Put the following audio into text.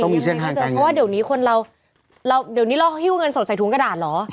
เพราะว่าเดี๋ยวนี้เราฮิ้วเงินสดใส่ถุงกระดาษหรอ